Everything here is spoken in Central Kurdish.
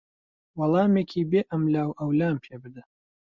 وەڵامێکی بێ ئەملاوئەولام پێ بدە.